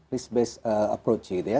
risk based approach gitu ya